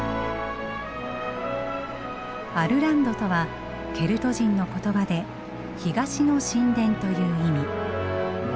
アルランドとはケルト人の言葉で東の神殿という意味。